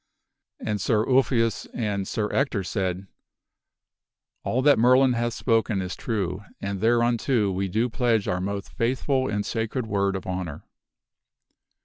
And Sir Ulfius and Sir Ector said, "All that Merlin hath spoken is true, and thereunto we do pledge our most faithful and sacred word of honor."